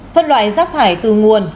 phân loại giác thải từ nguồn